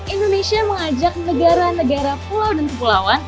indonesia mengajak negara negara pulau dan kepulauan